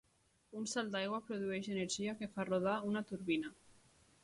Un salt d'aigua produeix energia que fa rodar una turbina.